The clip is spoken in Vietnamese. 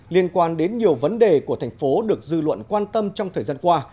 liên quan đến nhiều vấn đề của thành phố được dư luận quan tâm trong thời gian qua